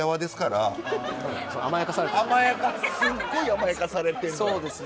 すごい甘やかされてるのよ。